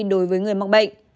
đối với người mắc bệnh